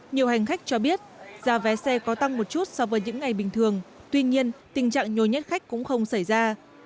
nhiều hành khách cho biết giá vé xe có tăng một chút so với những ngày bình thường tuy nhiên tình trạng nhồi nhất khách cũng không xảy ra